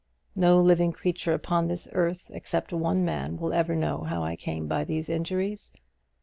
No living creature upon this earth except one man will ever know how I came by these injuries.